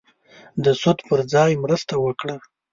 د سود پر ځای مرسته وکړه.